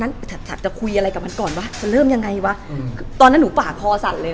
แต่พอตอนนั้นหลังคุยจะเริ่มยังไงวะคุณขอโทษ